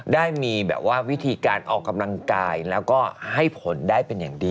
ได้มีแบบว่าวิธีการออกกำลังกายแล้วก็ให้ผลได้เป็นอย่างดี